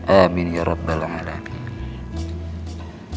amin ya rabbal alamin